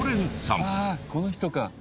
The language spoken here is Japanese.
この人か。